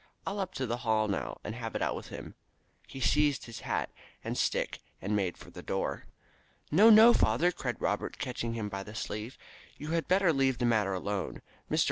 I'll up to the Hall now, and have it out with him." He seized his hat and stick and made for the door. "No, no, father," cried Robert, catching him by the sleeve. "You had better leave the matter alone. Mr.